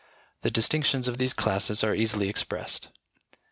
The distinctions of these classes are easily expressed.